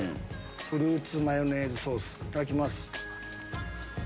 フルーツマヨネーズソースいただきます。